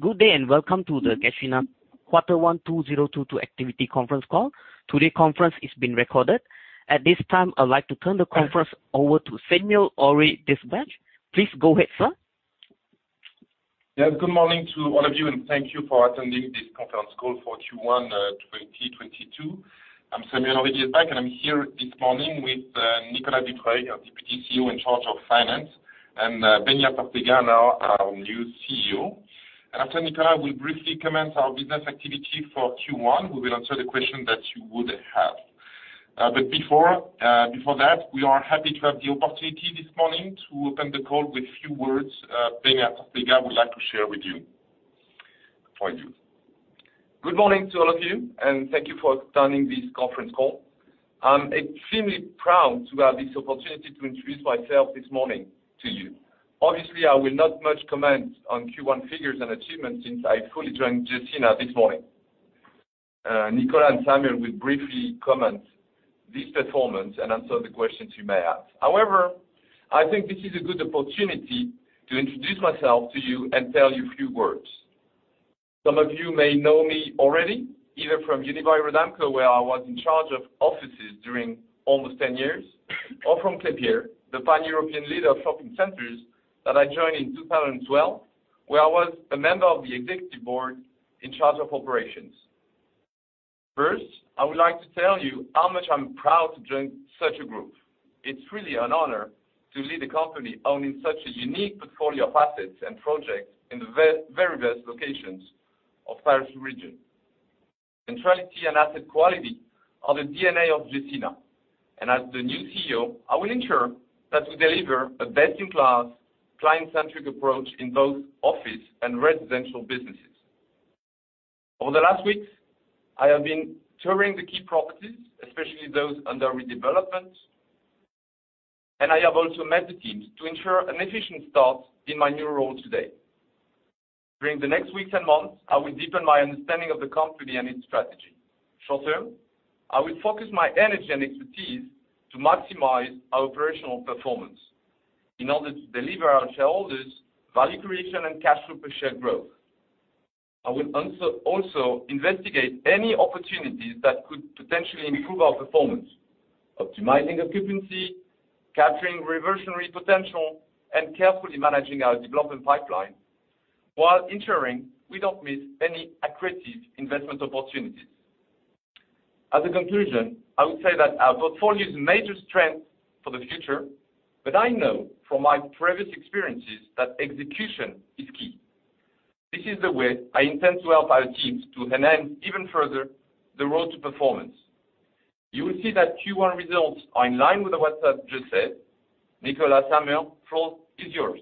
Good day, and welcome to the Gecina Quarter One 2022 Activity Conference Call. Today's conference is being recorded. At this time, I'd like to turn the conference over to Samuel Henry-Diesbach. Please go ahead, sir. Yes, good morning to all of you, and thank you for attending this conference call for Q1 2022. I'm Samuel Henry-Diesbach, and I'm here this morning with Nicolas Dutreuil, our Deputy CEO in charge of Finance, and Beñat Ortega, our new CEO. After Nicolas, we briefly comment our business activity for Q1, we will answer the question that you would have. Before that, we are happy to have the opportunity this morning to open the call with few words, Beñat Ortega would like to share with you. For you. Good morning to all of you, and thank you for attending this conference call. I'm extremely proud to have this opportunity to introduce myself this morning to you. Obviously, I will not much comment on Q1 figures and achievements since I fully joined Gecina this morning. Nicolas and Samuel will briefly comment on this performance and answer the questions you may have. However, I think this is a good opportunity to introduce myself to you and tell you a few words. Some of you may know me already, either from Unibail-Rodamco, where I was in charge of offices during almost 10 years, or from Klépierre, the pan-European leader of shopping centers, that I joined in 2012, where I was a member of the executive board in charge of operations. First, I would like to tell you how much I'm proud to join such a group. It's really an honor to lead a company owning such a unique portfolio of assets and projects in the very best locations of Paris region. Centrality and asset quality are the DNA of Gecina, and as the new CEO, I will ensure that we deliver a best-in-class, client-centric approach in both office and residential businesses. Over the last weeks, I have been touring the key properties, especially those under redevelopment, and I have also met the teams to ensure an efficient start in my new role today. During the next weeks and months, I will deepen my understanding of the company and its strategy. Short term, I will focus my energy and expertise to maximize our operational performance in order to deliver our shareholders value creation and cash flow per share growth. I will also investigate any opportunities that could potentially improve our performance, optimizing occupancy, capturing reversionary potential, and carefully managing our development pipeline while ensuring we don't miss any accretive investment opportunities. As a conclusion, I would say that our portfolio is a major strength for the future, but I know from my previous experiences that execution is key. This is the way I intend to help our teams to enhance even further the road to performance. You will see that Q1 results are in line with what I've just said. Nicolas, Samuel, floor is yours.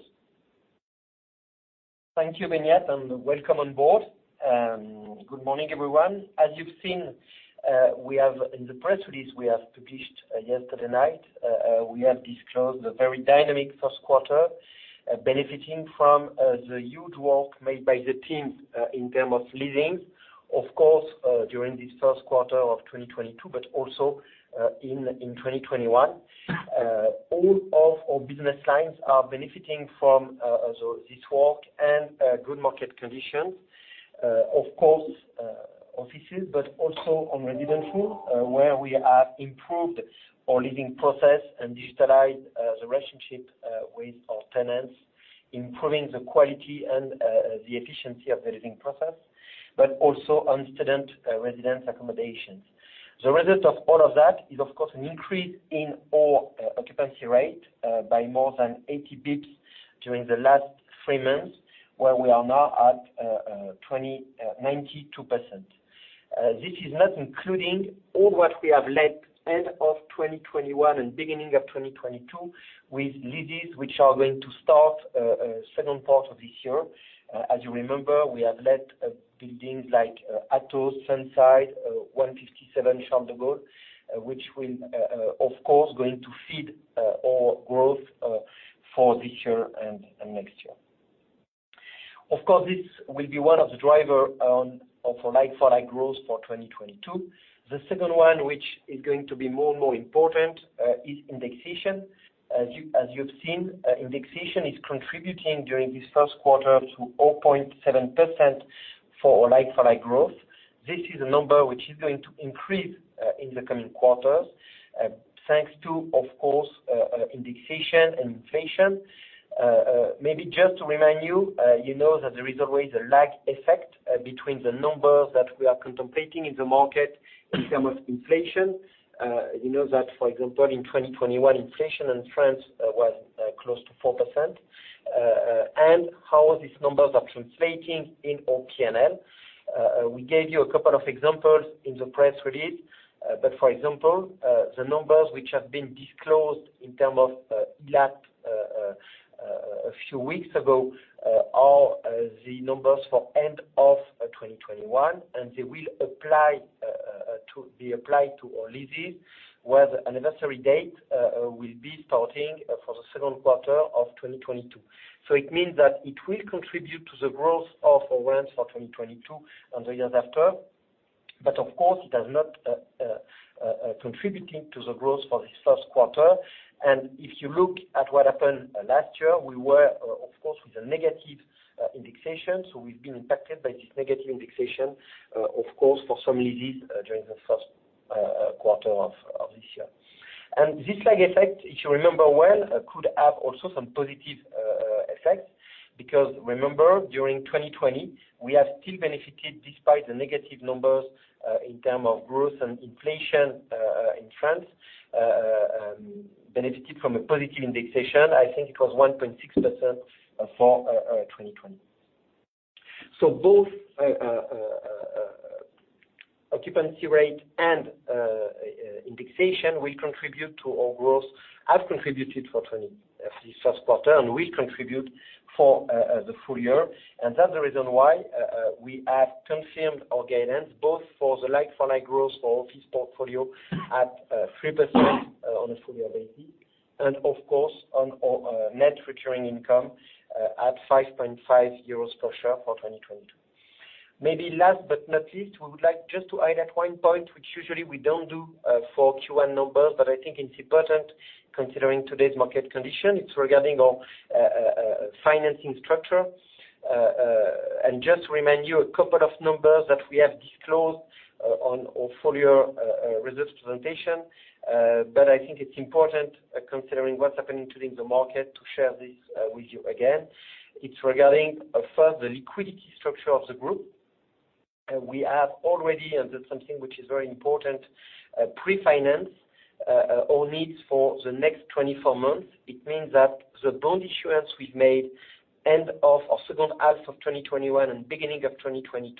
Thank you, Beñat, and welcome on board. Good morning, everyone. As you've seen, in the press release we have published yesterday night, we have disclosed a very dynamic first quarter, benefiting from the huge work made by the team in terms of leasing. Of course, during this first quarter of 2022, but also in 2021. All of our business lines are benefiting from this work and good market conditions. Of course, offices, but also on residential, where we have improved our leasing process and digitalized the relationship with our tenants, improving the quality and the efficiency of the leasing process, but also on student residence accommodations. The result of all of that is, of course, an increase in our occupancy rate by more than 80 bps during the last three months, where we are now at 92%. This is not including all what we have let end of 2021 and beginning of 2022 with leases which are going to start second part of this year. As you remember, we have let buildings like Adamas, Sunside, 157 Charles de Gaulle, which will, of course, going to feed our growth for this year and next year. Of course, this will be one of the driver of our like-for-like growth for 2022. The second one, which is going to be more and more important, is indexation. As you've seen, indexation is contributing during this first quarter to 0.7% for our like-for-like growth. This is a number which is going to increase in the coming quarters, thanks to, of course, indexation and inflation. Maybe just to remind you know that there is always a lag effect between the numbers that we are contemplating in the market in terms of inflation. You know that, for example, in 2021, inflation in France was close to 4%, and how these numbers are translating in our P&L. We gave you a couple of examples in the press release. For example, the numbers which have been disclosed in terms of ILAT a few weeks ago are the numbers for end of 2021, and they will be applied to our leases, where the anniversary date will be starting for the second quarter of 2022. It means that it will contribute to the growth of our rents for 2022 and the years after. Of course, it has not contributed to the growth for this first quarter. If you look at what happened last year, we were, of course, with a negative indexation. We've been impacted by this negative indexation, of course, for some leases during the first quarter of this year. This lag effect, if you remember well, could have also some positive effects. Because remember, during 2020, we have still benefited despite the negative numbers in terms of growth and inflation in France, benefited from a positive indexation. I think it was 1.6% for 2020. Both occupancy rate and indexation will contribute to our growth, have contributed for this first quarter and will contribute for the full year. That's the reason why we have confirmed our guidance both for the like-for-like growth for office portfolio at 3% on a full-year basis, and of course, on our recurrent net income at 5.5 euros per share for 2022. Maybe last but not least, we would like just to highlight one point, which usually we don't do, for Q1 numbers, but I think it's important considering today's market condition. It's regarding our, financing structure. Just to remind you a couple of numbers that we have disclosed, on our full-year, results presentation. I think it's important, considering what's happening today in the market, to share this, with you again. It's regarding, first, the liquidity structure of the group. We have already, and that's something which is very important, pre-financed, our needs for the next 24 months. It means that the bond issuance we've made end of our second half of 2021 and beginning of 2022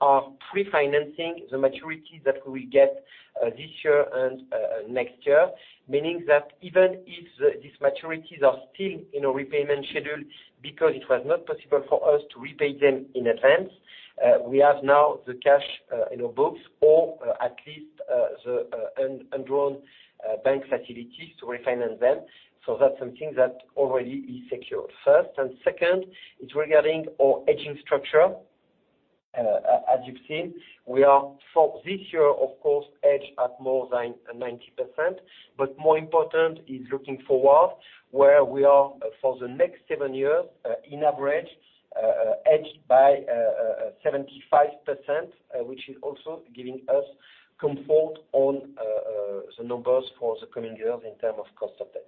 are pre-financing the maturities that we will get, this year and, next year. Meaning that even if these maturities are still in a repayment schedule because it was not possible for us to repay them in advance, we have now the cash, in our books or at least, the undrawn, bank facilities to refinance them. That's something that already is secured, first. Second, it's regarding our hedging structure. As you've seen, we are, for this year, of course, hedged at more than 90%. More important is looking forward, where we are for the next seven years, in average, hedged by 75%, which is also giving us comfort on, the numbers for the coming years in terms of cost of debt.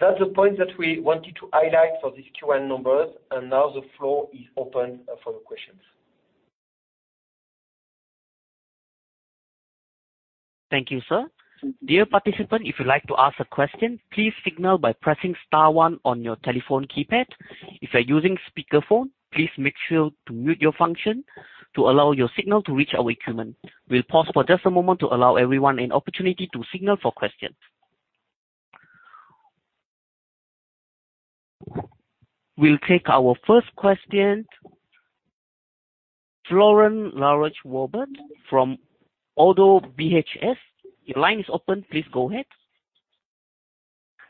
That's the point that we wanted to highlight for these Q1 numbers, and now the floor is open for your questions. Thank you, sir. Dear participant, if you'd like to ask a question, please signal by pressing star one on your telephone keypad. If you're using speakerphone, please make sure to mute your function to allow your signal to reach our equipment. We'll pause for just a moment to allow everyone an opportunity to signal for questions. We'll take our first question. Florent Laroche-Joubert from ODDO BHF, your line is open. Please go ahead.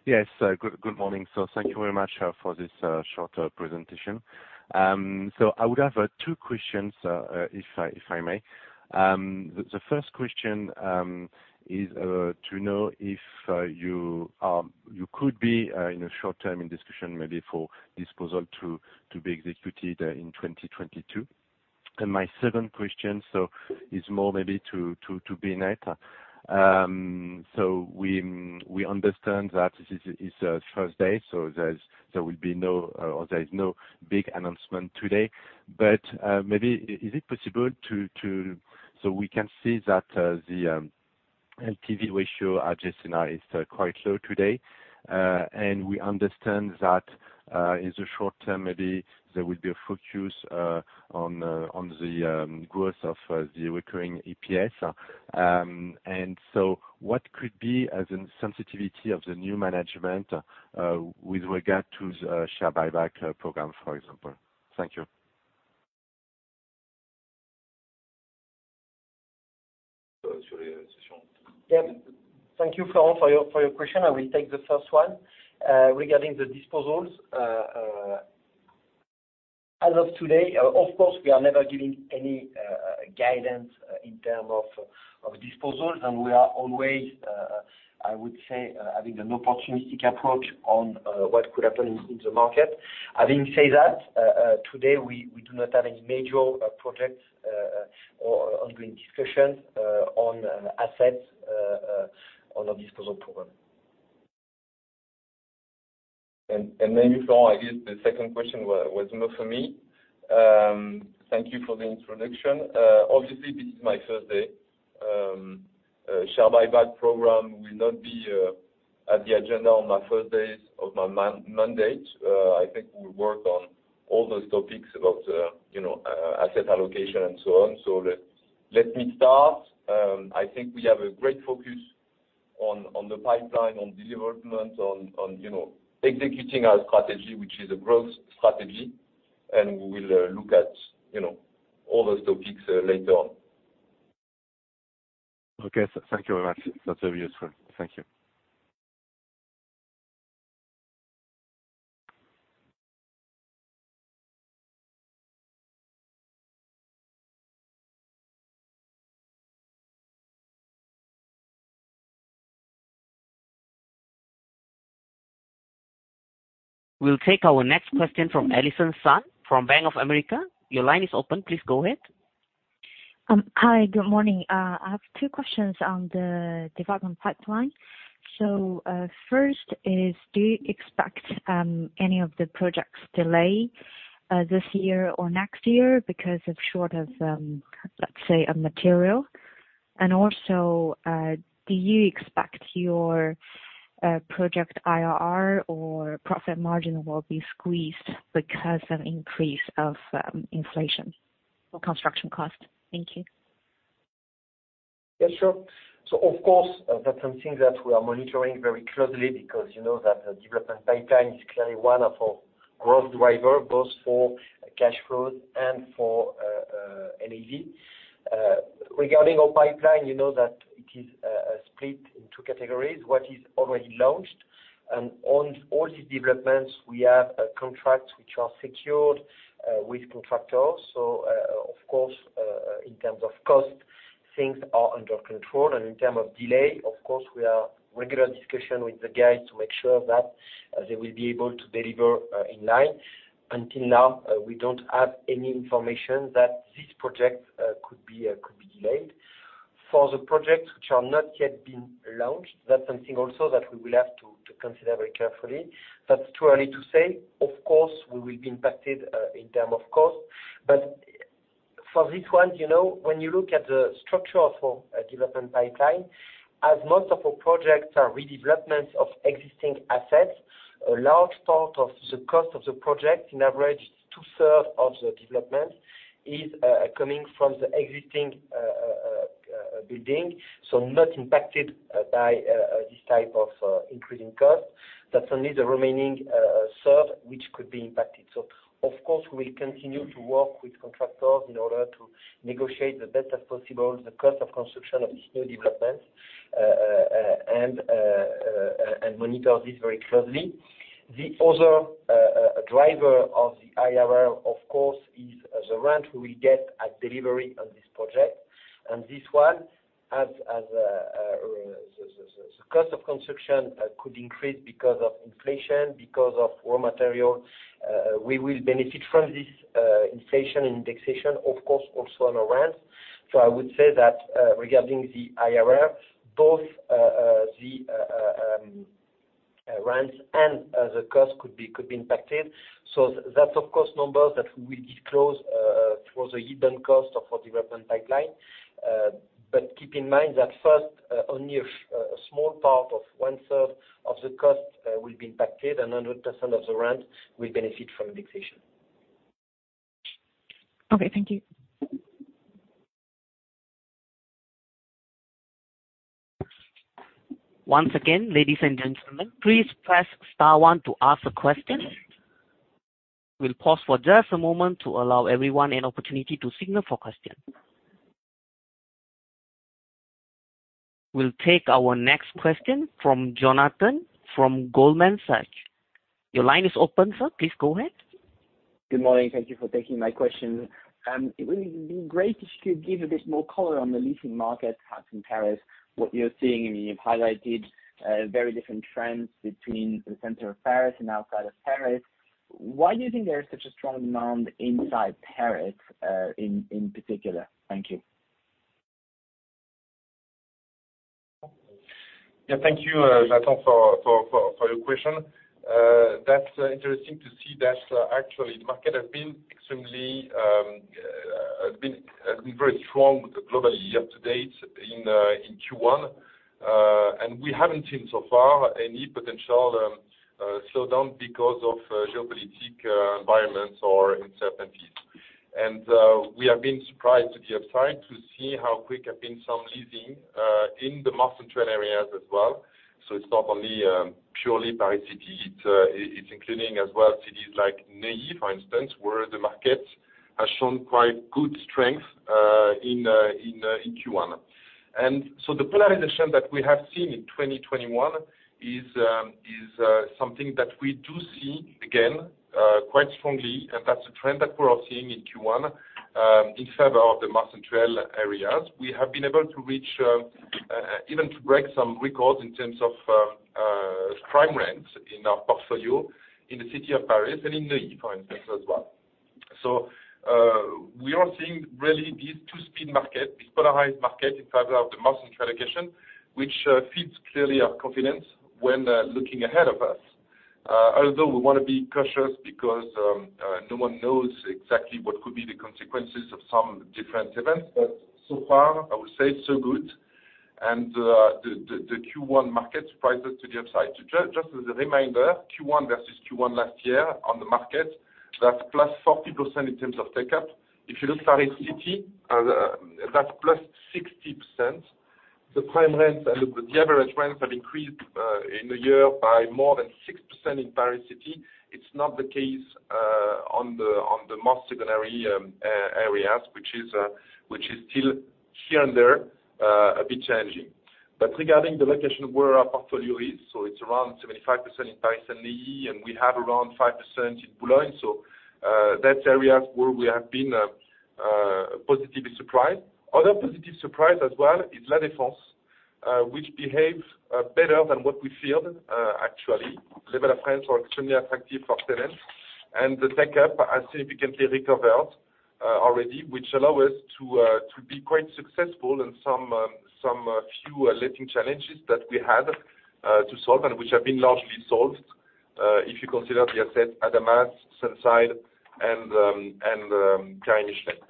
Yes. Good morning. Thank you very much for this short presentation. I would have two questions if I may. The first question is to know if you could be in a short term in discussion maybe for disposal to be executed in 2022. My second question is more maybe to Beñat. We understand that this is a first day, so there is no big announcement today. Maybe it is possible. We can see that the LTV ratio adjusted now is quite low today. We understand that in the short term, maybe there will be a focus on the growth of the recurring EPS. What could be a sign of sensitivity of the new management with regard to the share buyback program, for example? Thank you. Yeah. Thank you, Florent, for your question. I will take the first one regarding the disposals. As of today, of course, we are never giving any guidance in terms of disposals, and we are always, I would say, having an opportunistic approach on what could happen in the market. Having said that, today, we do not have any major projects or ongoing discussions on assets on a disposal program. Maybe, Florent, I guess the second question was more for me. Thank you for the introduction. Obviously, this is my first day. Share buyback program will not be on the agenda on my first days of my mandate. I think we work on all those topics about, you know, asset allocation and so on. Let me start. I think we have a great focus on the pipeline, on development, on executing our strategy, which is a growth strategy, and we will look at, you know, all those topics later on. Okay. Thank you very much. That's very useful. Thank you. We'll take our next question from Allison Sun from Bank of America. Your line is open. Please go ahead. Hi, good morning. I have two questions on the development pipeline. First, do you expect any of the projects delay this year or next year because of shortage of, let's say, materials? Also, do you expect your project IRR or profit margin will be squeezed because of increase of inflation or construction costs? Thank you. Yeah, sure. Of course, that's something that we are monitoring very closely because you know that the development pipeline is clearly one of our growth driver, both for cash flows and for NAV. Regarding our pipeline, you know that it is split in two categories, what is already launched. On all these developments, we have contracts which are secured with contractors. Of course, in terms of cost, things are under control. In terms of delay, of course, we are in regular discussion with the guys to make sure that they will be able to deliver in line. Until now, we don't have any information that this project could be delayed. For the projects which are not yet been launched, that's something also that we will have to consider very carefully. That's too early to say. Of course, we will be impacted in terms of cost. For this one, you know, when you look at the structure for a development pipeline, as most of our projects are redevelopments of existing assets, a large part of the cost of the project, on average two-thirds of the development is coming from the existing building, so not impacted by this type of increasing cost. That's only the remaining third, which could be impacted. Of course, we'll continue to work with contractors in order to negotiate the best possible, the cost of construction of these new developments and monitor this very closely. The other driver of the IRR, of course, is the rent we will get at delivery on this project. This one, as the cost of construction could increase because of inflation, because of raw material, we will benefit from this inflation indexation, of course, also on our rent. I would say that, regarding the IRR, both the rent and the cost could be impacted. That's of course numbers that we will disclose through the unit cost of our development pipeline. Keep in mind that first, only one-third of the cost will be impacted, and 100% of the rent will benefit from indexation. Okay. Thank you. Once again, ladies and gentlemen, please press star one to ask a question. We'll pause for just a moment to allow everyone an opportunity to signal for question. We'll take our next question from Jonathan from Goldman Sachs. Your line is open, sir. Please go ahead. Good morning. Thank you for taking my question. It would be great if you could give a bit more color on the leasing market in Paris, what you're seeing, and you've highlighted very different trends between the center of Paris and outside of Paris. Why do you think there is such a strong demand inside Paris in particular? Thank you. Yeah. Thank you, Jonathan, for your question. That's interesting to see that, actually the market has been extremely very strong globally up to date in Q1. We haven't seen so far any potential slowdown because of geopolitical environments or uncertainties. We have been surprised to the upside to see how quick have been some leasing in the more central areas as well. It's not only purely Paris city. It's including as well cities like Neuilly, for instance, where the market has shown quite good strength in Q1. The polarization that we have seen in 2021 is something that we do see again quite strongly, and that's a trend that we are seeing in Q1. In favor of the more central areas, we have been able to reach even to break some records in terms of prime rents in our portfolio in the City of Paris and in Neuilly, for instance, as well. We are seeing really these two-speed market, these polarized market in favor of the more central location, which feeds clearly our confidence when looking ahead of us. Although we wanna be cautious because no one knows exactly what could be the consequences of some different events, but so far, I would say it's so good. The Q1 market surprises to the upside. To just as a reminder, Q1 versus Q1 last year on the market, that's plus 40% in terms of take-up. If you look Paris City, that's +60%. The prime rents and the average rents have increased in a year by more than 6% in Paris City. It's not the case on the more secondary areas, which is still here and there a bit challenging. Regarding the location of where our portfolio is, so it's around 75% in Paris and we have around 5% in Boulogne. That area where we have been positively surprised. Other positive surprise as well is La Défense, which behaves better than what we feel actually. Rent levels in France are extremely attractive for tenants, and the take-up has significantly recovered already, which allow us to be quite successful in some few letting challenges that we had to solve, and which have been largely solved, if you consider the asset Adamas, Sunside, and Carré Michelet.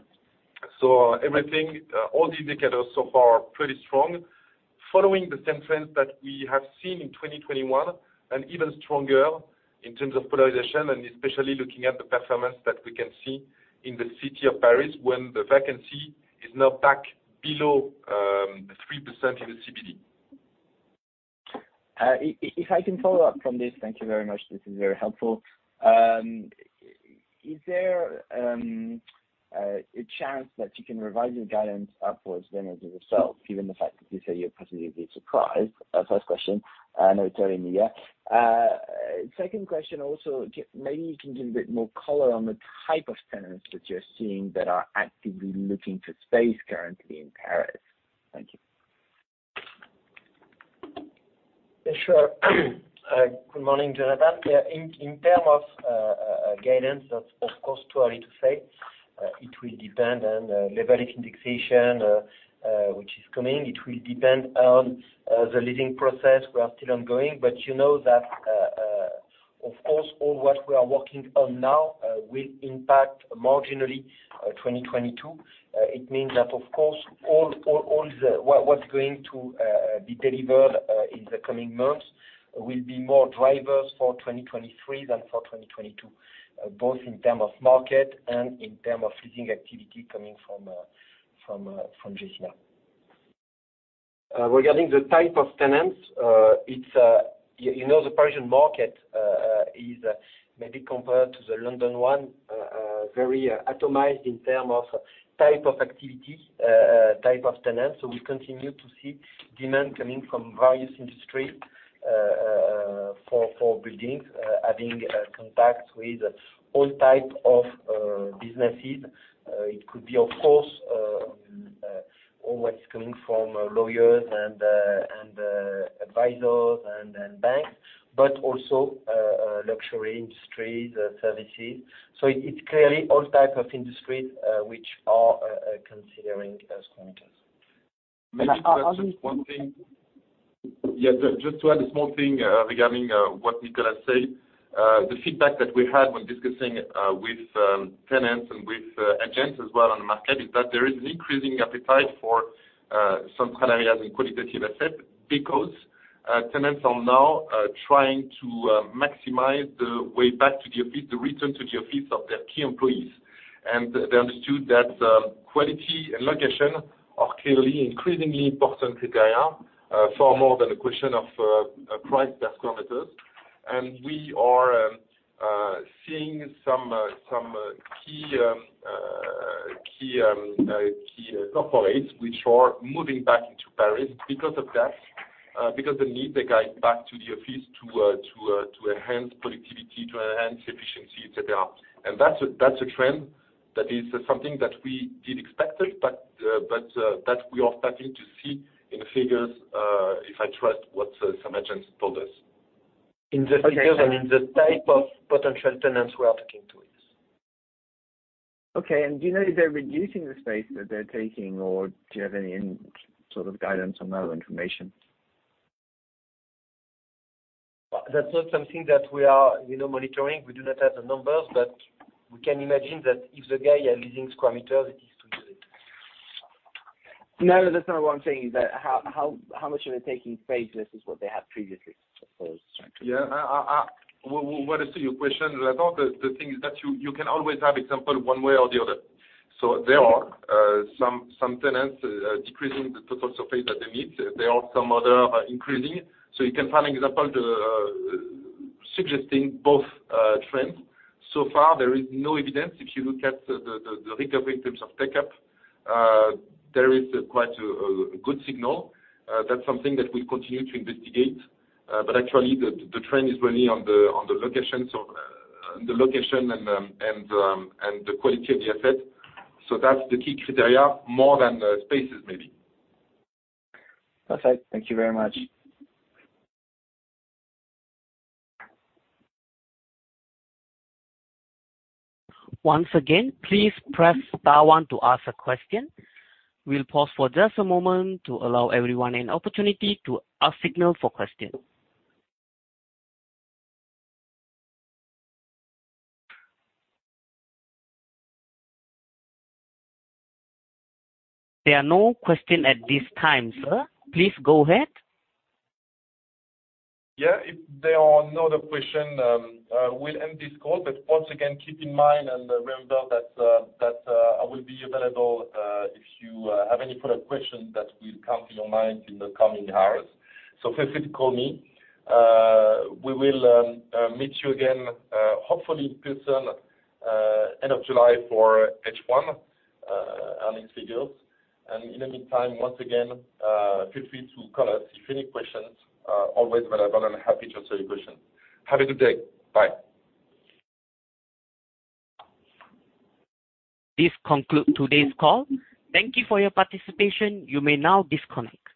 Everything, all the indicators so far are pretty strong following the same trends that we have seen in 2021, and even stronger in terms of polarization, and especially looking at the performance that we can see in the city of Paris when the vacancy is now back below 3% in the CBD. If I can follow up from this, thank you very much. This is very helpful. Is there a chance that you can revise your guidance upwards then as a result, given the fact that you say you're positively surprised? First question. I know it's early in the year. Second question also, maybe you can give a bit more color on the type of tenants that you're seeing that are actively looking for space currently in Paris. Thank you. Sure. Good morning, Jonathan. Yeah. In terms of guidance, that's of course too early to say. It will depend on level of indexation, which is coming. It will depend on the leasing process. We are still ongoing, but you know that, of course, all that we are working on now will impact marginally 2022. It means that of course, all that's going to be delivered in the coming months will be more drivers for 2023 than for 2022, both in terms of market and in terms of leasing activity coming from Gecina. Regarding the type of tenants, it's you know the Parisian market is maybe compared to the London one very atomized in terms of type of activity type of tenants. We continue to see demand coming from various industries for buildings having contacts with all types of businesses. It could be of course all what's coming from lawyers and advisors and banks, but also luxury industries, services. It's clearly all types of industries which are considering us as connectors. Maybe just one thing. Yes. Just to add a small thing regarding what Nicolas said. The feedback that we had when discussing with tenants and with agents as well on the market is that there is an increasing appetite for some areas in quality assets because tenants are now trying to maximize the way back to the office, the return to the office of their key employees. They understood that quality and location are clearly increasingly important criteria far more than a question of price per square meters. We are seeing some key corporates which are moving back into Paris because of that because the need, again, back to the office to enhance productivity, to enhance efficiency, et cetera. That's a trend that is something that we did expected, but that we are starting to see in figures, if I trust what some agents told us. In the figures and in the type of potential tenants we are talking to, yes. Okay. Do you know if they're reducing the space that they're taking or do you have any sort of guidance on that or information? That's not something that we are, you know, monitoring. We do not have the numbers, but we can imagine that if the guys are losing square meters, it is to do it. No, that's not what I'm saying. Is that how much are they taking space versus what they had previously? I suppose trying to. Well, to answer your question, the thing is that you can always have examples one way or the other. There are some tenants decreasing the total surface that they need. There are some other increasing. You can find examples suggesting both trends. So far there is no evidence. If you look at the recovery in terms of take-up, there is quite a good signal. That's something that we continue to investigate. But actually the trend is really on the location, on the location and the quality of the asset. That's the key criteria more than the spaces maybe. Okay. Thank you very much. Once again, please press star one to ask a question. We'll pause for just a moment to allow everyone an opportunity to ask signal for question. There are no question at this time, sir. Please go ahead. Yeah. If there are no other question, we'll end this call. Once again, keep in mind and remember that I will be available if you have any product question that will come to your mind in the coming hours. Feel free to call me. We will meet you again, hopefully pretty soon, end of July for H1 earnings figures. In the meantime, once again, feel free to call us if any questions. Always available and happy to answer your question. Have a good day. Bye. This concludes today's call. Thank you for your participation. You may now disconnect.